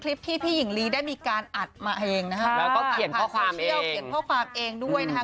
เขียนข้อความเองด้วยนะคะ